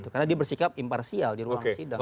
karena dia bersikap imparsial di ruang sidang